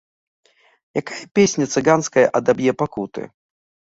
Якая песня цыганская адаб'е пакуты?